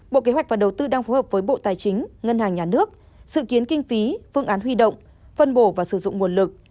bộ kế hoạch và đầu tư đang phối hợp với bộ tài chính ngân hàng nhà nước sự kiến kinh phí phương án huy động phân bổ và sử dụng nguồn lực